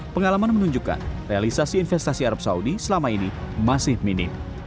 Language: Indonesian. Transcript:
pengalaman menunjukkan realisasi investasi arab saudi selama ini masih minim